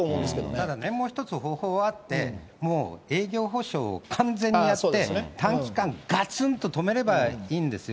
ただね、もう一つ方法はあって、もう営業補償を完全にやって、短期間がつんと止めればいいんですよ。